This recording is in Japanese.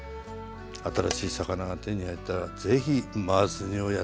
新しい魚が手に入ったらぜひマース煮をやってみて下さい。